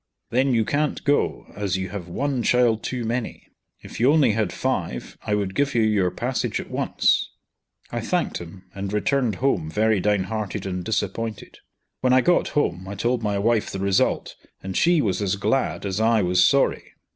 "Then you can't go, as you have one child too many. If you only had five I would give you your passage at once." I thanked him, and returned home very downhearted and disappointed. When I got home, I told my wife the result, and she was as glad as I was sorry.